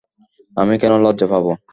আমি কেন লজ্জা পাবো?